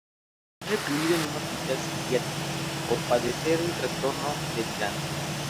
Es recluido en un hospital psiquiátrico por padecer un trastorno delirante.